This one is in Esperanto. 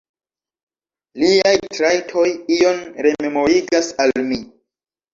Liaj trajtoj ion rememorigas al mi.